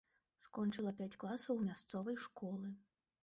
Скончыла пяць класаў мясцовай школы.